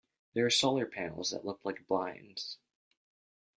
There are solar panels that look like blinds.